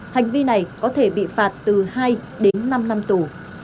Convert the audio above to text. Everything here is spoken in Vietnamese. hành vi này có thể bị phạt từ hai đến năm năm tù